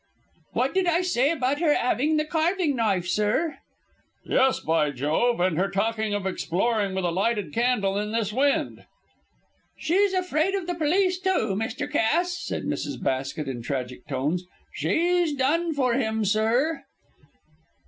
"What did I say about her 'aving the carving knife, sir?" "Yes, by Jove! And her talking of exploring with a lighted candle in this wind!" "She's afraid of the police, too, Mr. Cass," said Mrs. Basket, in tragic tones. "She's done for him, sir."